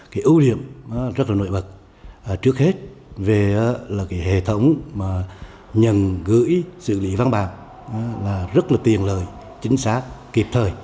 cái ưu điểm rất là nổi bật trước hết là cái hệ thống mà nhận gửi xử lý văn bản là rất là tiền lời chính xác kịp thời